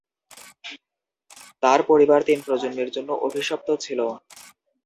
তাঁর পরিবার তিন প্রজন্মের জন্য অভিশপ্ত ছিল।